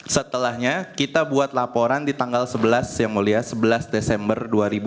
setelahnya kita buat laporan di tanggal sebelas yang mulia sebelas desember dua ribu dua puluh